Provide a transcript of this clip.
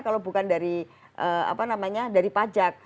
kalau bukan dari apa namanya dari pajak